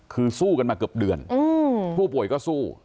คือสู้กันมาเกือบเดือนผู้ป่วยก็สู้